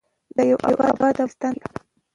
د یوه اباد افغانستان په هیله.